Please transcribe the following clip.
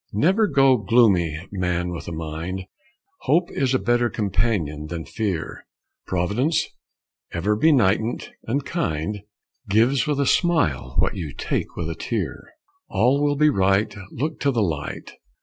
Never go gloomy, man with a mind, Hope is a better companion than fear; Providence, ever benignant and kind, Gives with a smile what you take with a tear; All will be right, Look to the light.